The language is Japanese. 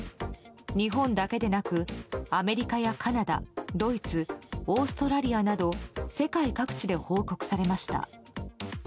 日本だけでなくアメリカやカナダドイツ、オーストラリアなど世界各地で報告されました。